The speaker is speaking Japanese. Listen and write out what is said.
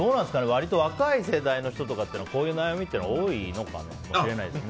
割と若い世代の人とかってこういう悩みって多いのかもしれないですね。